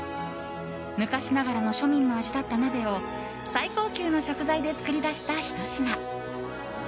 昔ながらの庶民の味だった鍋を最高級の食材で作り出したひと品。